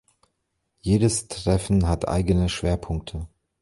Jedes Treffen hat eigene Schwerpunkte.